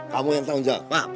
kamu yang tanggung jawab